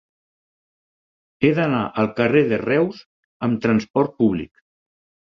He d'anar al carrer de Reus amb trasport públic.